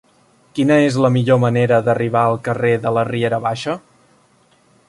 Quina és la millor manera d'arribar al carrer de la Riera Baixa?